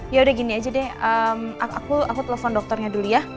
ya udah gini aja deh aku telepon dokternya dulu ya